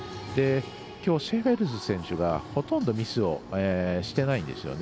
きょう、シェフェルス選手がほとんどミスをしてないんですよね。